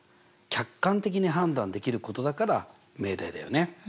客観的に判断できることだから命題だよね。